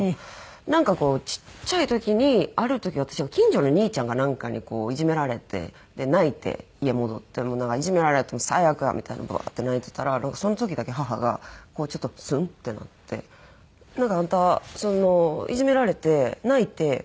なんかちっちゃい時にある時私が近所の兄ちゃんかなんかにいじめられて泣いて家戻って「いじめられた最悪や」みたいにバーって泣いてたらその時だけ母がちょっとスンってなって「あんたいじめられて泣いて帰ってきたん？」